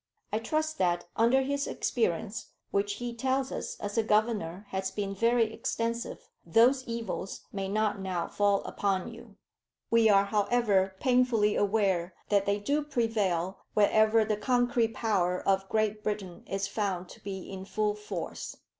I trust that, under his experience, which he tells us as a governor has been very extensive, those evils may not now fall upon you. We are, however, painfully aware that they do prevail wherever the concrete power of Great Britain is found to be in full force.